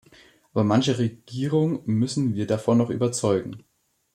Aber manche Regierung müssen wir davon noch überzeugen.